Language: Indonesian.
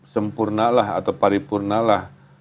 sempurnalah atau paripurnalah